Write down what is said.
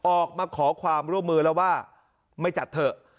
ออกมาขอความร่วมมือแล้วว่าไม่จัดเถอะ